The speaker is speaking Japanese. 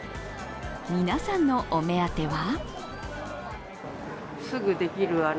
皆さんのお目当ては？